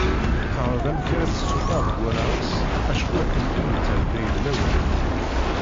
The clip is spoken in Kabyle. Teɛreḍ amek ara tessuffeɣ deg wallaɣ-is acku akken kan yettɛedday lawan.